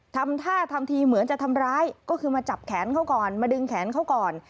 ทำท่าทำทีเหมือนจะทำร้ายก็คือมาจับแขนเขาก่อนมาดึงแขนเขาก่อน